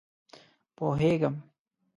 _پوهېږم.